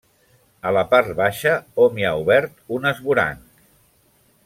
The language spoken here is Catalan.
A la part baixa hom hi ha obert un esvoranc.